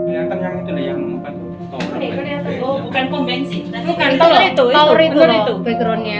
yang terhenti yang bukan kompensi